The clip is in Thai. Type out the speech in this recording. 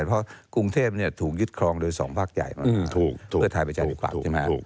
เพราะกรุงเทพฯถูกยึดครองโดยสองพักใหญ่เพื่อถ่ายประชาติภักดิ์ใช่ไหม